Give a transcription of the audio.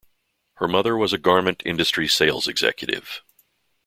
Her mother was a garment industry sales executive.